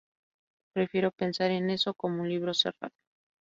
Prefiero pensar en eso como un libro cerrado.